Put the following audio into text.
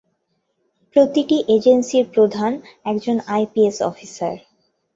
প্রতিটি এজেন্সির প্রধান একজন আইপিএস অফিসার।